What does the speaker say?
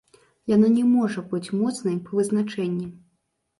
Яна не можа быць моцнай па вызначэнні.